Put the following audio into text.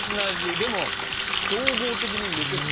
でも総合的にめちゃくちゃおいしい。